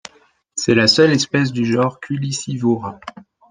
C'est la seule espèce du genre Culicivora.